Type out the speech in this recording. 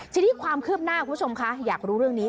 ทีนี้ความคืบหน้าคุณผู้ชมคะอยากรู้เรื่องนี้